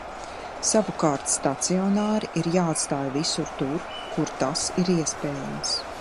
Savukārt stacionāri ir jāatstāj visur tur, kur tas ir iespējams.